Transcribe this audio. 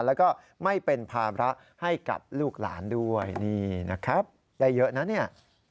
แล้วก็ไม่เป็นภาระให้กับลูกหลานด้วยนี่นะครับได้เยอะนะเนี่ย